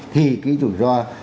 thì cái rủi ro